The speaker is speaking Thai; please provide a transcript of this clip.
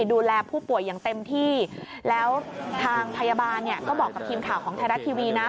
ดูแลผู้ป่วยอย่างเต็มที่แล้วทางพยาบาลเนี่ยก็บอกกับทีมข่าวของไทยรัฐทีวีนะ